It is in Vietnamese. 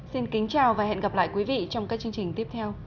xin kính chào và hẹn gặp lại quý vị trong các chương trình tiếp theo